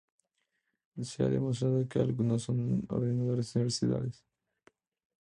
Se ha demostrado que algunos son ordenadores universales.